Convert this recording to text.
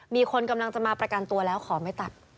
มีคนกำลังจะมาประกันตัวแล้วขอไม่ตัด